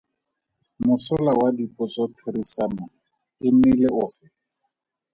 Mosola wa dipotsotherisano e nnile ofe?